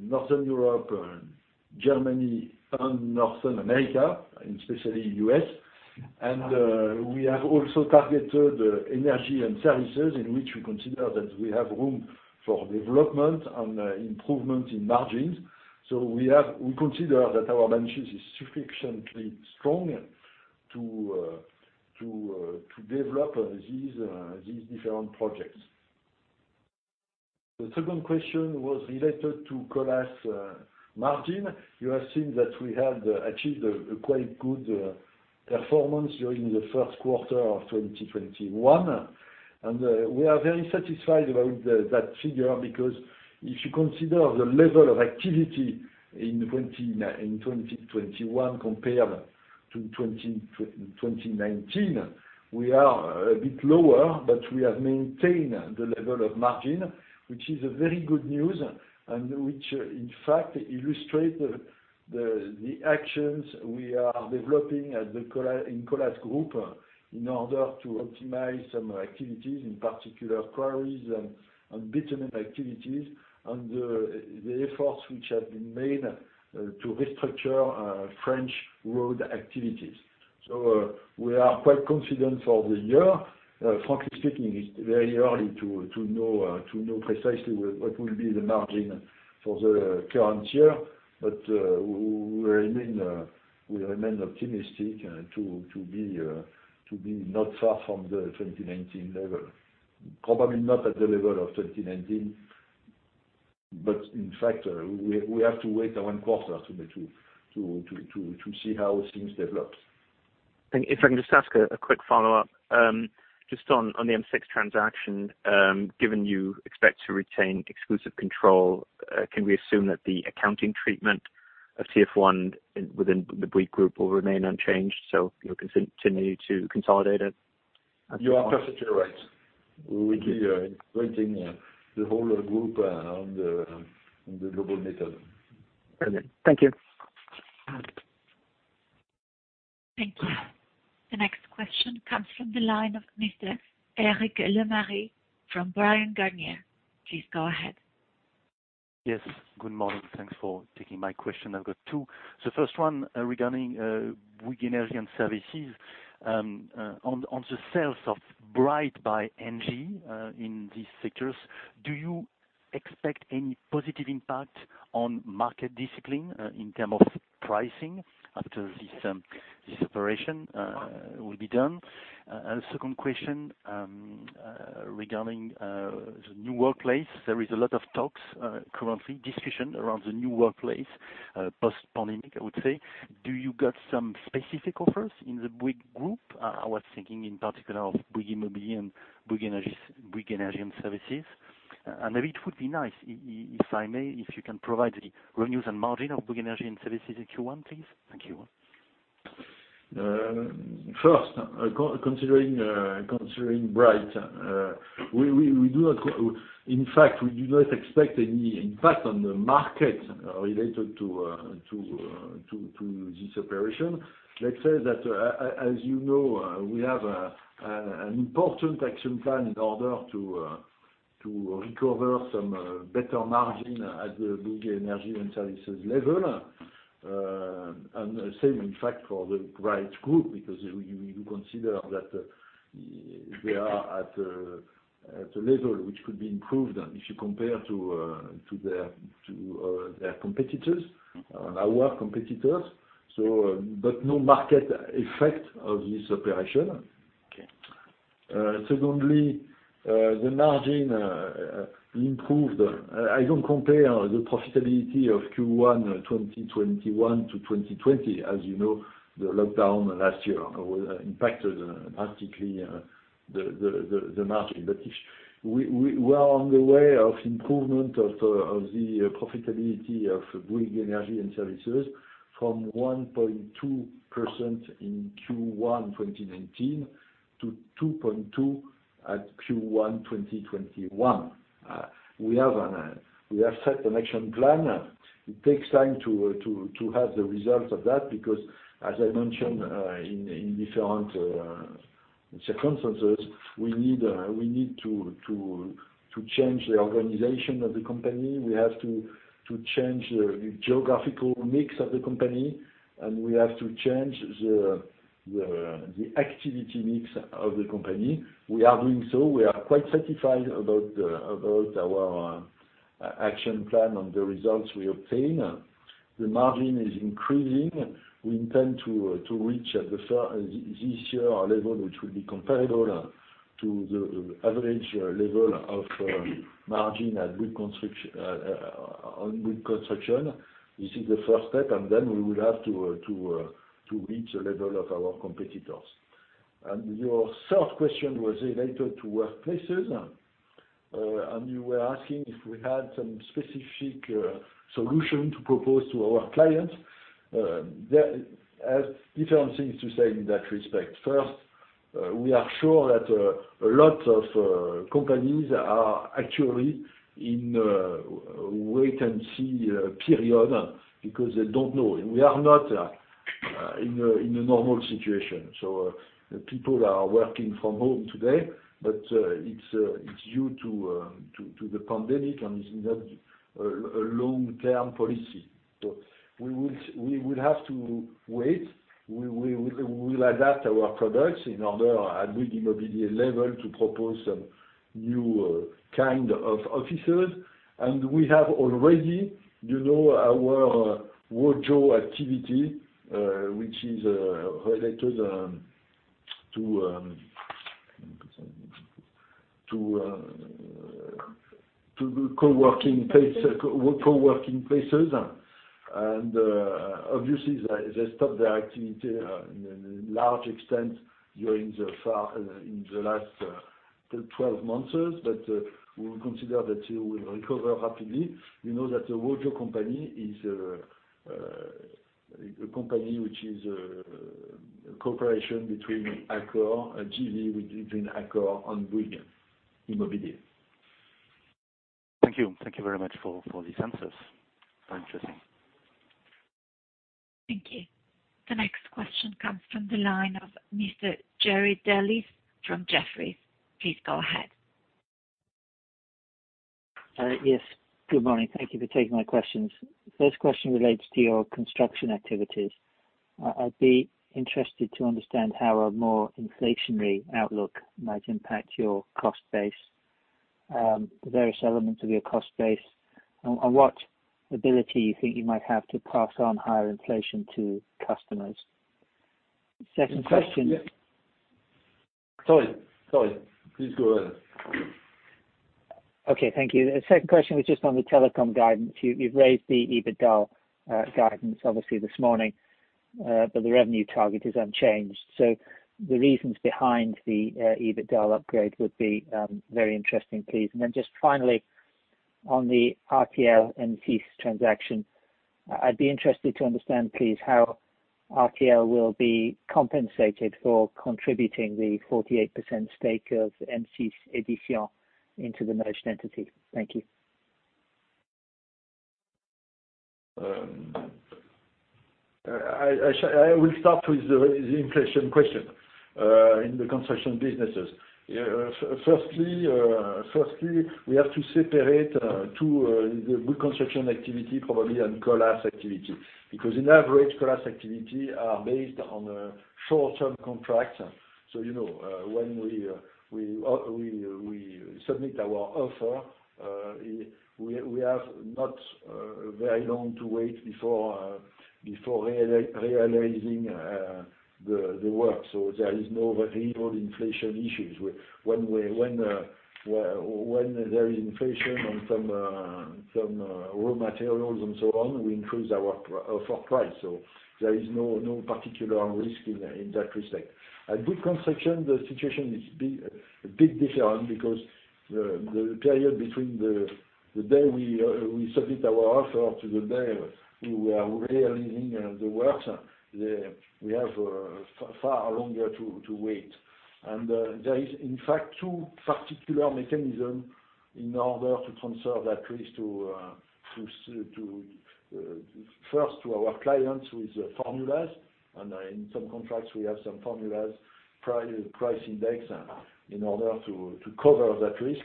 Northern Europe and Germany and Northern America, and especially U.S. We have also targeted energy and services, in which we consider that we have room for development and improvement in margins. We consider that our balance sheet is sufficiently strong to develop these different projects. The second question was related to Colas margin. You have seen that we have achieved a quite good performance during the first quarter of 2021, and we are very satisfied about that figure because if you consider the level of activity in 2021 compared to 2019, we are a bit lower, but we have maintained the level of margin, which is a very good news and which in fact illustrate the actions we are developing in Colas Group in order to optimize some activities, in particular quarries and bitumen activities, and the efforts which have been made to restructure French road activities. We are quite confident for the year. Frankly speaking, it's very early to know precisely what will be the margin for the current year. We remain optimistic to be not far from the 2019 level. Probably not at the level of 2019, in fact, we have to wait one quarter to see how things develop.
If I can just ask a quick follow-up. Just on the M6 transaction, given you expect to retain exclusive control, can we assume that the accounting treatment of TF1 within the Bouygues group will remain unchanged, so you'll continue to consolidate it?
You are perfectly right. We will be integrating the whole group on the global level.
Brilliant. Thank you.
The next question comes from the line of Mr. Eric Le Berrigaud from Bryan Garnier. Please go ahead.
Yes. Good morning. Thanks for taking my question. I've got two. First one regarding Bouygues Energies & Services. On the sales of Brite Energy in these sectors, do you expect any positive impact on market discipline in term of pricing after this separation will be done? 2nd question regarding the new workplace. There is a lot of talks currently, discussion around the new workplace, post-pandemic, I would say. Do you got some specific offers in the Bouygues group? I was thinking in particular of Bouygues Immobilier and Bouygues Energies & Services. It would be nice, if I may, if you can provide the revenue and margin of Bouygues Energies & Services if you want, please. Thank you.
First, considering Brite. In fact, we do not expect any impact on the market related to this operation. Let's say that, as you know, we have an important action plan in order to recover some better margin at the Bouygues Energies & Services level. And same, in fact, for Bouygues Energies & Services, because you consider that they are at a level which could be improved if you compare to their competitors, our competitors. But no market effect of this operation.
Okay.
Secondly, the margin improved. I don't compare the profitability of Q1 2021 to 2020. As you know, the lockdown last year impacted drastically the margin. We are on the way of improvement of the profitability of Bouygues Energies & Services from 1.2% in Q1 2019 to 2.2% at Q1 2021. We have set an action plan. It takes time to have the results of that, because as I mentioned in different circumstances, we need to change the organization of the company. We have to change the geographical mix of the company, and we have to change the activity mix of the company. We are doing so. We are quite satisfied about our action plan and the results we obtain. The margin is increasing. We intend to reach this year a level which will be comparable to the average level of margin on Bouygues Construction. This is the first step, then we will have to reach the level of our competitors. Your third question was related to workplaces, and you were asking if we had some specific solution to propose to our clients. I have different things to say in that respect. First, we are sure that a lot of companies are actually in a wait-and-see period because they don't know. We are not in a normal situation, so people are working from home today, but it's due to the pandemic and is not a long-term policy. We will have to wait. We will adapt our products in order at Bouygues Immobilier level to propose some new kind of offices. We have already our Wojo activity, which is related to co-working places. Obviously, they stopped their activity in large extent during the last 12 months, but we will consider that it will recover rapidly. You know that the Wojo company is a company which is a cooperation between Accor, a JV between Accor and Bouygues Immobilier.
Thank you. Thank you very much for the answers. Interesting.
Thank you. The next question comes from the line of Mr. Jerry Dellis from Jefferies. Please go ahead.
Yes. Good morning. Thank you for taking my questions. First question relates to your construction activities. I'd be interested to understand how a more inflationary outlook might impact your cost base, various elements of your cost base, and what ability you think you might have to pass on higher inflation to customers.
Sorry. Please go ahead.
Okay, thank you. The second question was just on the telecom guidance. You've raised the EBITDA guidance, obviously, this morning. The revenue target is unchanged. The reasons behind the EBITDA upgrade would be very interesting, please. Just finally, on the RTL-M6 transaction, I'd be interested to understand, please, how RTL will be compensated for contributing the 48% stake of M6 Éditions into the merged entity. Thank you.
I will start with the inflation question in the construction businesses. Firstly, we have to separate two, the Bouygues Construction activity probably and Colas activity. Because in average, Colas activity are based on short-term contracts. When we submit our offer, we have not very long to wait before realizing the work. There is no very important inflation issues. When there is inflation on some raw materials and so on, we increase our offer price. There is no particular risk in that respect. At Bouygues Construction, the situation is a bit different because the period between the day we submit our offer to the day we are realizing the works, we have far longer to wait. There is in fact, two particular mechanism in order to conserve that risk. First, to our clients with formulas, in some contracts, we have some formulas, price index, in order to cover that risk.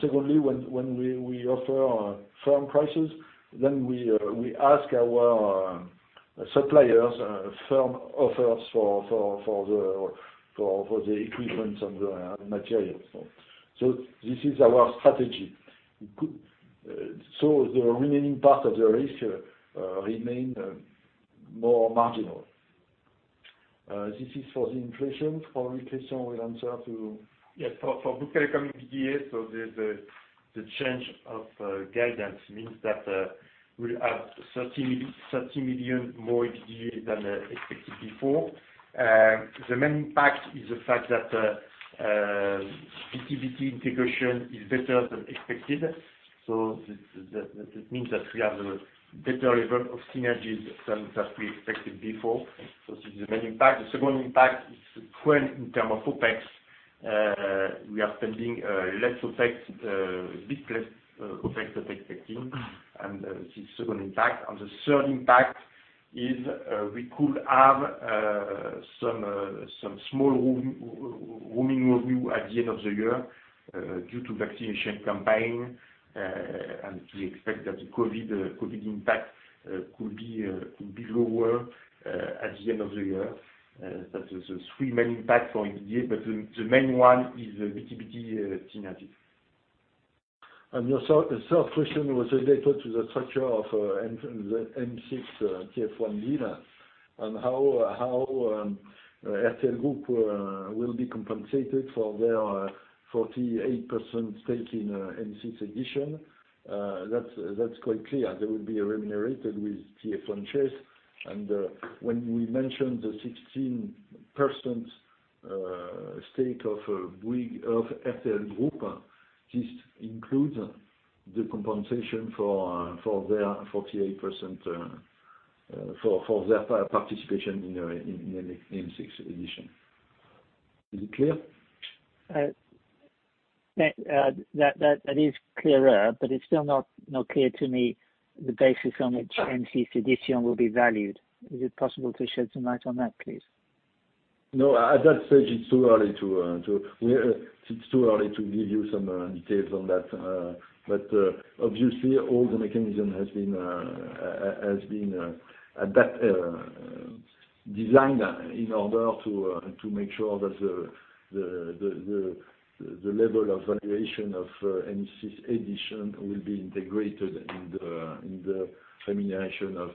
Secondly, when we offer firm prices, we ask our suppliers firm offers for the equipment and the materials. This is our strategy. The remaining part of the risk remain more marginal. This is for the inflation. For inflation, we answer. Yes, for Bouygues Telecom EBITDA, the change of guidance means that we'll have 30 million more EBITDA than expected before. The main impact is the fact that activity integration is better than expected. That means that we have a better level of synergies than we expected before. This is the main impact. The second impact is current in term of OpEx. We are spending a bit less on tax effect team, this is the second impact. The third impact is we could have some small roaming revenue at the end of the year due to vaccination campaign. We expect that the COVID impact could be lower at the end of the year. That is the three main impact for EBITDA, but the main one is the B2B synergy. Your third question was related to the structure of the M6-TF1 deal and how RTL Group will be compensated for their 48% stake in M6 Éditions. That is quite clear. They will be remunerated with TF1 shares. When we mentioned the 16% stake of RTL Group, this includes the compensation for their 48% for their participation in M6 Éditions. Is it clear?
That is clearer. It's still not clear to me the basis on which M6 Éditions will be valued. Is it possible to shed light on that, please?
No. At that stage, it's too early to give you some details on that. Obviously all the mechanism has been designed in order to make sure that the level of valuation of M6 Éditions will be integrated in the termination of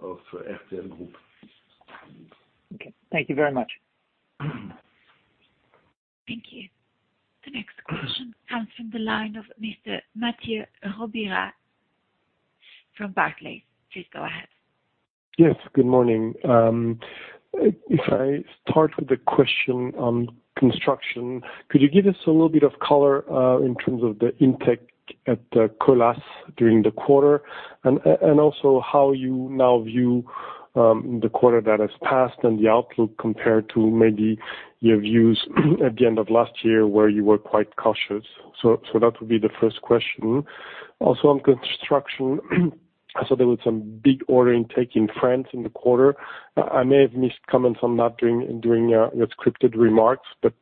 RTL Group.
Okay. Thank you very much.
Thank you. The next question comes from the line of Mr. Mathieu Robilliard from Barclays. Please go ahead.
Yes, good morning. I start with the question on construction, could you give us a little bit of color in terms of the intake at Colas during the quarter? Also how you now view the quarter that has passed and the outlook compared to maybe your views at the end of last year where you were quite cautious. That would be the first question. Also, on construction, I saw there was some big order intake in France in the quarter. I may have missed comments on that during your scripted remarks, if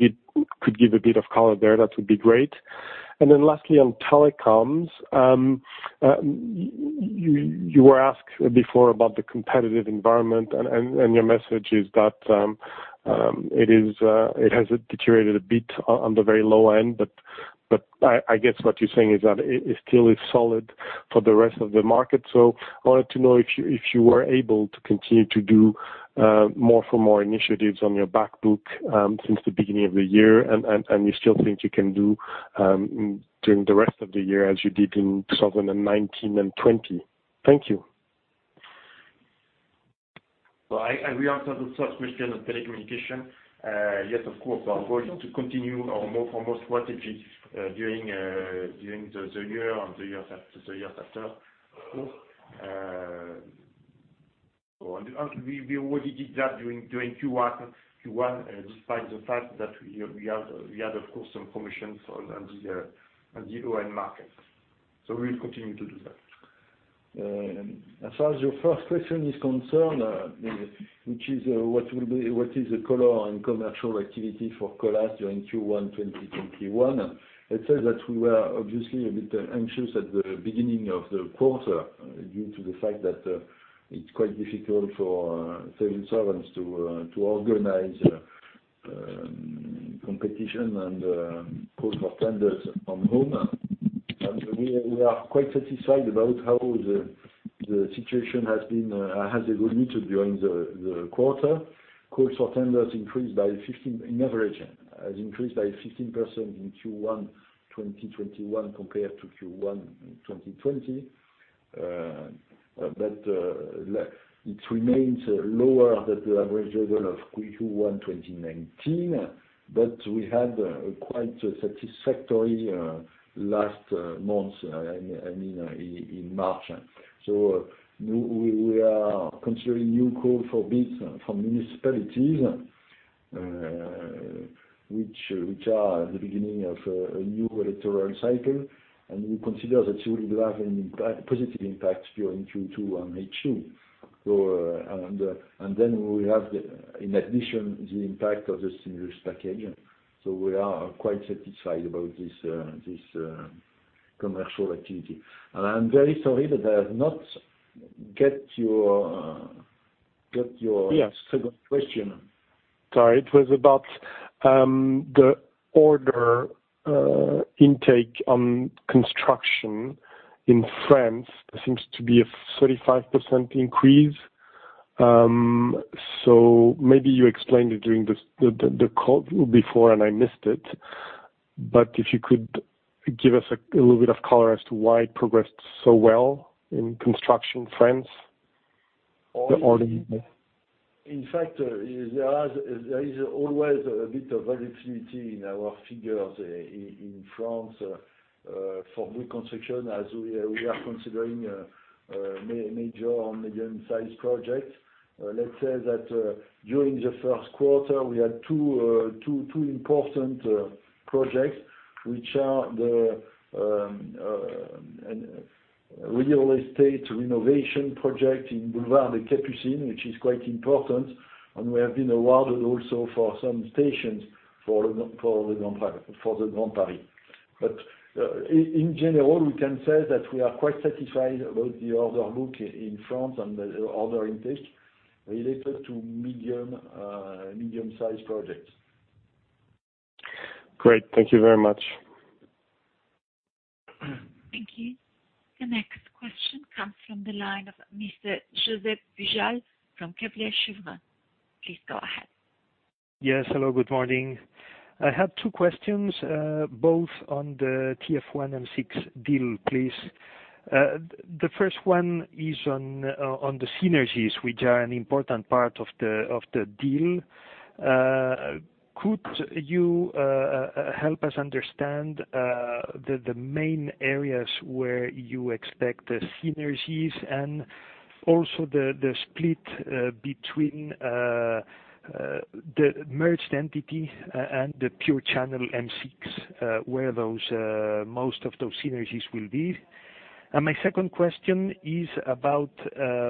you could give a bit of color there, that would be great. Lastly, on telecoms, you were asked before about the competitive environment, your message is that it has deteriorated a bit on the very low end, I guess what you're saying is that it still is solid for the rest of the market. I wanted to know if you were able to continue to do more for more initiatives on your back book since the beginning of the year, you still think you can do during the rest of the year as you did in 2019 and 2020. Thank you.
Well, I will answer the first question on telecommunication. Yes, of course, we are going to continue our more for more strategy during the year and the year after, of course. We already did that during Q1, despite the fact that we had, of course, some commissions on the low-end market. We'll continue to do that.
As far as your first question is concerned, which is what is the color on commercial activity for Colas during Q1 2021, I said that we were obviously a bit anxious at the beginning of the quarter due to the fact that it's quite difficult for civil servants to organize competition and calls for tenders on home. We are quite satisfied about how the situation has evolved during the quarter. Calls for tenders increased in average by 15% in Q1 2021 compared to Q1 in 2020.
It remains lower than the average level of Q1 2019, but we had quite a satisfactory last month in March. We are considering new calls for bids from municipalities, which are the beginning of a new electoral cycle, and we consider that it will have a positive impact during Q2 and H2. Then we will have, in addition, the impact of the stimulus package. We are quite satisfied about this commercial activity. I'm very sorry that I have not get your second question.
Yeah. Sorry. It was about the order intake on construction in France. There seems to be a 35% increase. Maybe you explained it during the call before and I missed it, but if you could give us a little bit of color as to why it progressed so well in construction France, the order intake.
In fact, there is always a bit of volatility in our figures in France for new construction as we are considering major or medium-sized projects. Let's say that during the first quarter, we had two important projects, which are the real estate renovation project in Boulevard des Capucines, which is quite important, and we have been awarded also for some stations for the Grand Paris. In general, we can say that we are quite satisfied about the order book in France and the order intake related to medium-sized projects.
Great. Thank you very much.
Thank you. The next question comes from the line of Mr. Joseph Vijay from Kepler Cheuvreux. Please go ahead.
Yes. Hello, good morning. I have two questions, both on the TF1 and M6 deal, please. The first one is on the synergies, which are an important part of the deal. Could you help us understand the main areas where you expect the synergies and also the split between the merged entity and the pure channel M6, where most of those synergies will be? My second question is about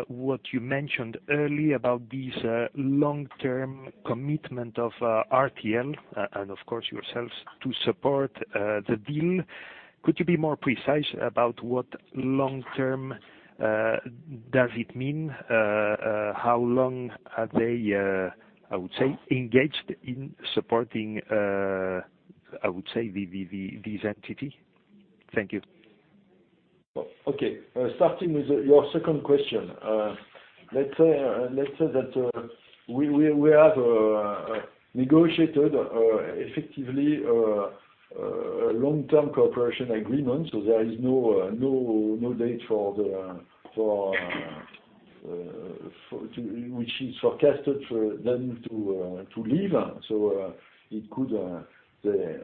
what you mentioned early about this long-term commitment of RTL and, of course, yourselves to support the deal. Could you be more precise about what long-term does it mean? How long are they, I would say, engaged in supporting, I would say, this entity? Thank you.
Okay. Starting with your second question. Let's say that we have negotiated effectively a long-term cooperation agreement, so there is no date which is forecasted for them to leave.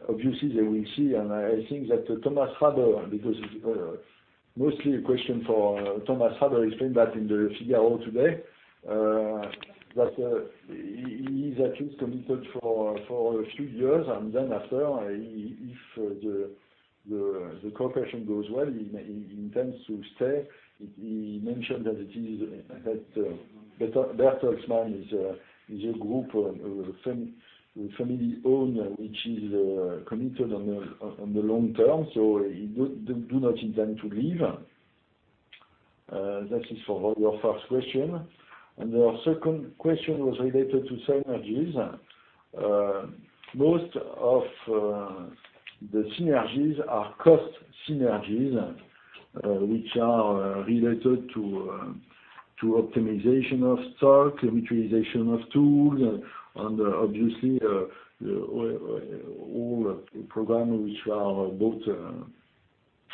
Obviously, they will see, and I think that Thomas Rabe, because it's mostly a question for Thomas Rabe, explained that in Le Figaro today, that he's at least committed for a few years, and then after, if the cooperation goes well, he intends to stay. He mentioned that Bertelsmann is a group, family-owned, which is committed on the long term, so they do not intend to leave. That is for your first question. Your second question was related to synergies. Most of the synergies are cost synergies, which are related to optimization of stock, optimization of tools, and obviously all programs which are bought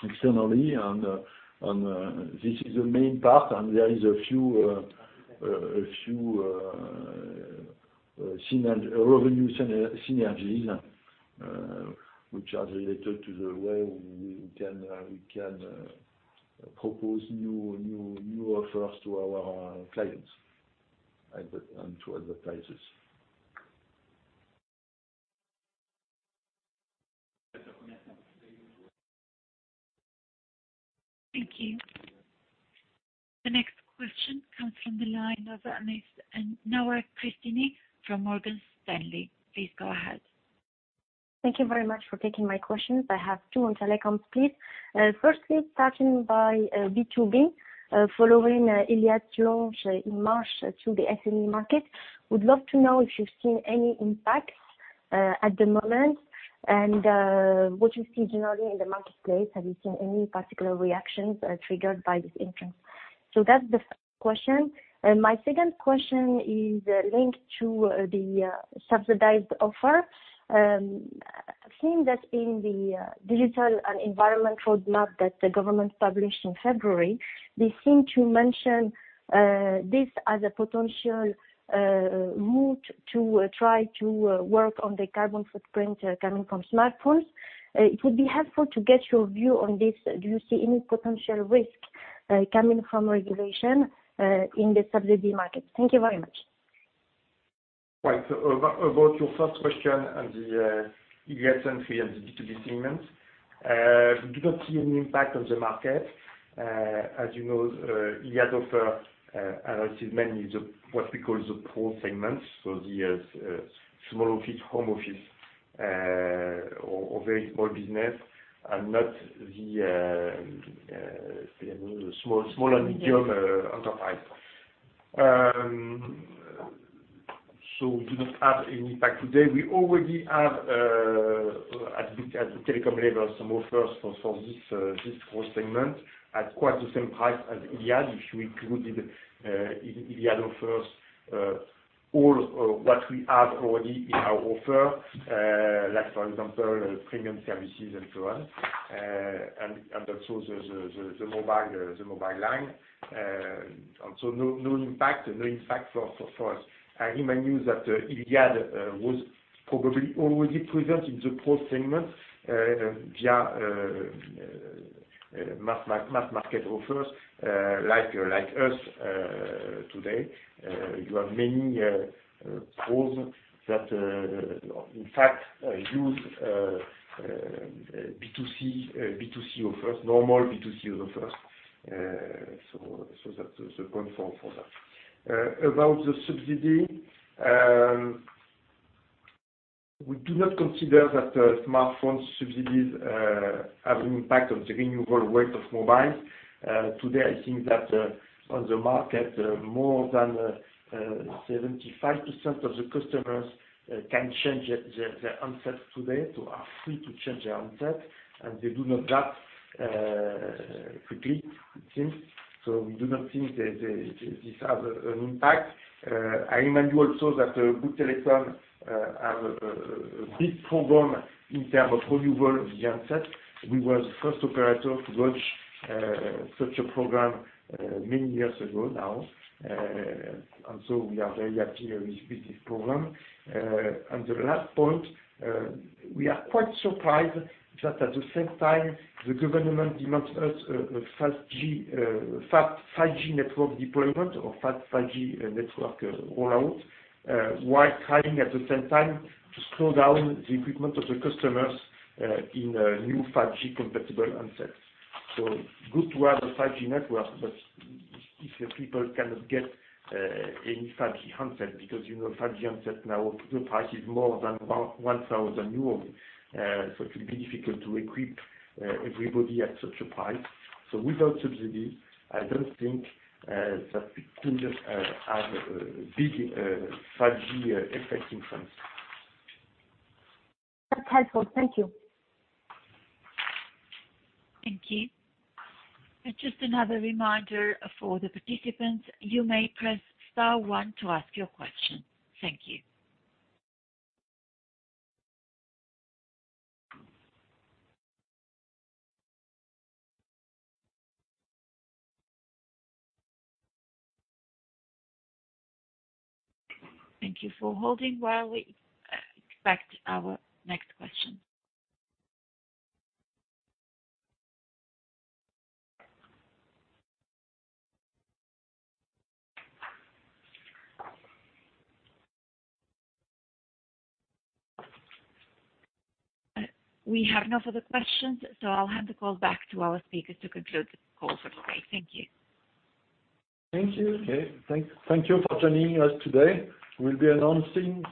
externally, and this is the main part, and there is a few revenue synergies, which are related to the way we can propose new offers to our clients and to advertisers.
Thank you. The next question comes from the line of Nour Christine from Morgan Stanley. Please go ahead.
Thank you very much for taking my questions. I have two on Telecoms, please. Firstly, starting by B2B, following Iliad's launch in March through the SME market. Would love to know if you've seen any impacts at the moment and what you see generally in the marketplace. Have you seen any particular reactions triggered by this entrance? That's the first question. My second question is linked to the subsidized offer. Seeing that in the digital and environment roadmap that the government published in February, they seem to mention this as a potential route to try to work on the carbon footprint coming from smartphones. It would be helpful to get your view on this. Do you see any potential risk coming from regulation in the subsidy market? Thank you very much.
Right. About your first question on the Iliad entry on the B2B segment. We do not see an impact on the market. As you know, Iliad offer targeted mainly what we call the pro segment, so the small office, home office, or very small business, and not the small and medium enterprise. We do not have an impact today. We already have, at the Bouygues Telecom level, some offers for this pro segment at quite the same price as Iliad, which included in Iliad offers all what we have already in our offer, like for example, premium services and so on, and also the mobile line. No impact for us. I remind you that Iliad was probably already present in the pro segment via mass market offers like us today. You have many proofs that, in fact, use normal B2C offers. That is a confirm for that. About the subsidy, we do not consider that smartphone subsidies have an impact on the renewal rate of mobile. Today, I think that on the market, more than 75% of the customers can change their handsets today. Are free to change their handset, and they do not drop quickly, it seems. We do not think this has an impact. I remind you also that Bouygues Telecom have a big program in term of renewable the handset. We were the first operator to launch such a program many years ago now. We are very active in this business program. The last point, we are quite surprised that at the same time, the government demands us a fast 5G network deployment or fast 5G network rollout, while trying at the same time to slow down the equipment of the customers in new 5G compatible handsets. Good to have a 5G network, but if people cannot get any 5G handset. Because 5G handset now, the price is more than 1,000 euros. It'll be difficult to equip everybody at such a price. Without subsidy, I don't think that we could have a big 5G effect in France.
That's helpful. Thank you. Thank you. We have no further questions, so I'll hand the call back to our speaker to conclude the call for today. Thank you.
Thank you. Okay, thank you for joining us today. We'll be announcing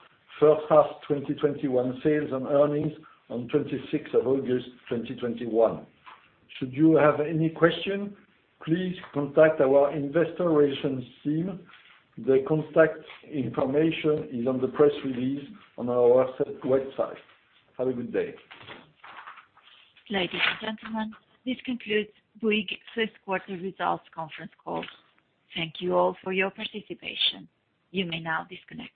first half 2021 sales and earnings on 26th of August 2021. Should you have any question, please contact our investor relations team. The contact information is on the press release on our website. Have a good day.
Ladies and gentlemen, this concludes Bouygues first quarter results conference call. Thank you all for your participation. You may now disconnect.